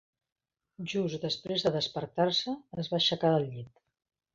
Just després de despertar-se, es va aixecar del llit.